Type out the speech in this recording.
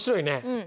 うん。